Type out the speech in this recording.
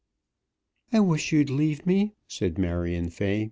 "I wish you'd leave me," said Marion Fay.